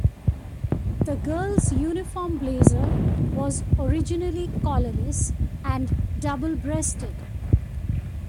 The girl's uniform blazer was originally collarless and double breasted.